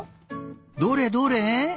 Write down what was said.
どれどれ？